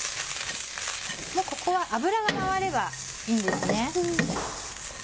もうここは油が回ればいいんですね。